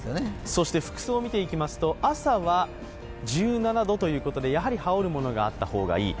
そして服装を見ていきますと、朝は１７度ということでやはり羽織るものがあった方がいい。